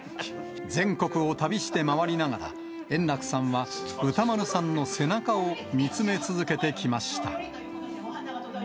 全国を旅して回りながら、円楽さんは歌丸さんの背中を見つめ続けてきました。